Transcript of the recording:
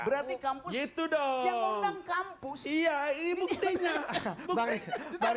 berarti kampus yang undang kampus